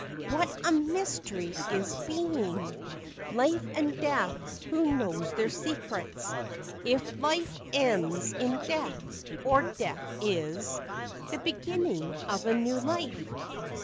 What a mystery is being ! Life and death, who knows their secrets ? If life ends in death, or death is The beginning of a new life